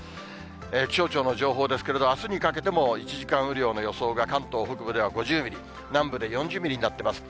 気象庁の情報ですけれども、あすにかけても、１時間雨量の予想が、関東北部では５０ミリ、南部で４０ミリになっています。